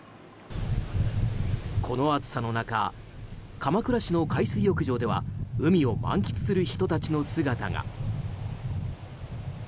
この暑さの中鎌倉市の海水浴場では海を満喫する人たちの姿が。